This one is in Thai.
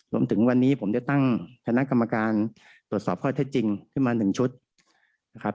รวมถึงวันนี้ผมจะตั้งคณะกรรมการตรวจสอบข้อเท็จจริงขึ้นมา๑ชุดนะครับ